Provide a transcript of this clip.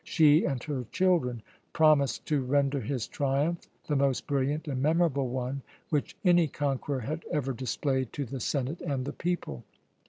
She and her children promised to render his triumph the most brilliant and memorable one which any conqueror had ever displayed to the senate and the people.